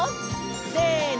せの！